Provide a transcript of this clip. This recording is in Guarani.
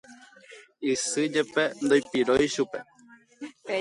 isy jepe ndoipirói chupe